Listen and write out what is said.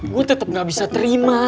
gue tetap gak bisa terima